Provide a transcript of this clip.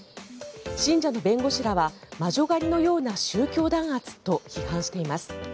信者の弁護士らは魔女狩りのような宗教弾圧と批判しています。